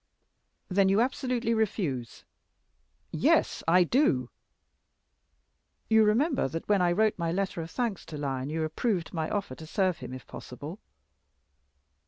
"Then you absolutely refuse?" "Yes, I do." "You remember that when I wrote my letter of thanks to Lyon you approved my offer to serve him if possible."